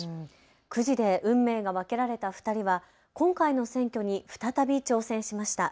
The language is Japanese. くじで運命が分けられた２人は今回の選挙に再び挑戦しました。